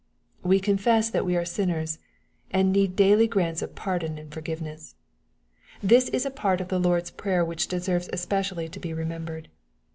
We confess that we are sin ners, and need daily grants of pardon and forgiveness. This is a part of the Lord's prayer which deserves especially to be remembered.